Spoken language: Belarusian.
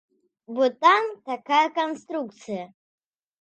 Бо там такая канструкцыя.